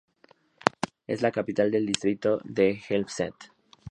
Es la capital del Distrito de Helmstedt.